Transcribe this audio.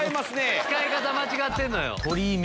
使い方間違ってるのよ。